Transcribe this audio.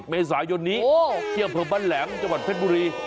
๒๑๓๐เมษายนนี้เคียงเผิมบ้านแหลมจังหวัดเพชรบุรี